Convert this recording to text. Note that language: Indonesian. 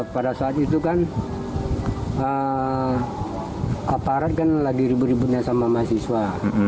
pada saat itu kan aparat kan lagi ribut ributnya sama mahasiswa